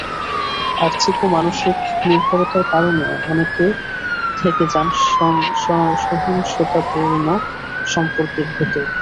আর্থিক ও মানসিক নির্ভরতার কারণেও অনেকে থেকে যান সহিংসতাপূর্ণ সম্পর্কের ভেতর।